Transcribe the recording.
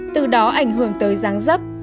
từ đó ảnh hưởng tới ráng rấp